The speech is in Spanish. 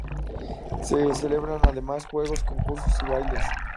Se celebran además juegos, concursos y bailes.